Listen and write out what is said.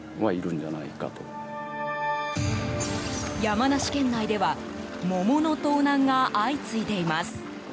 山梨県内では桃の盗難が相次いでいます。